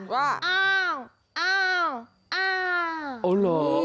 ว่าอ้าวอ้าวอ้าว